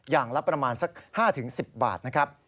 อย่างละประมาณ๕ถึง๑๐บาท